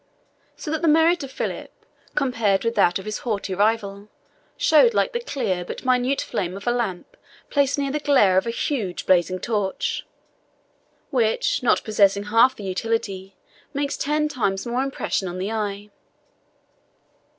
So that the merit of Philip, compared with that of his haughty rival, showed like the clear but minute flame of a lamp placed near the glare of a huge, blazing torch, which, not possessing half the utility, makes ten times more impression on the eye.